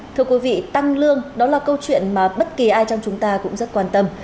thưa quý vị tăng lương đó là câu chuyện mà bất kỳ ai trong chúng ta cũng rất quan tâm